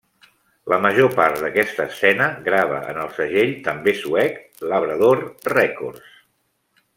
La major part d'aquesta escena grava en el segell també suec Labrador Records.